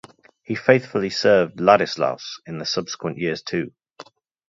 He faithfully served Ladislaus in the subsequent years too.